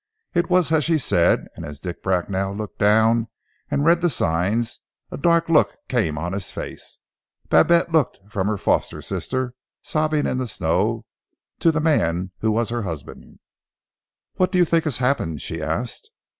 It was as she said, and as Dick Bracknell looked down and read the signs a dark look came on his face. Babette looked from her foster sister, sobbing in the snow, to the man who was her husband. "What do you think has happened?" she asked.